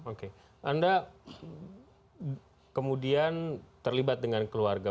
oke anda kemudian terlibat dengan keluarga